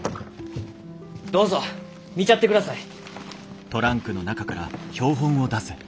どうぞ見ちゃってください。